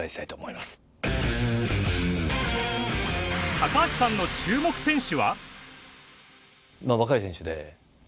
高橋さんの注目選手は。